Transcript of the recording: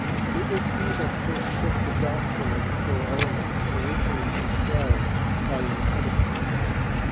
It was he that first shook the doctrine of the four ele ments, originally contrived by Empedocles.